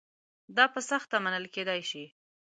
دا په سخته منل کېدای شي.